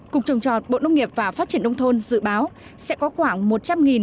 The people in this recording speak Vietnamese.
cục trồng trọt bộ nông nghiệp và phát triển nông thôn dự báo sẽ có khoảng một trăm linh